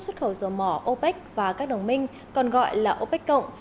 xuất khẩu dầu mỏ opec và các đồng minh còn gọi là opec cộng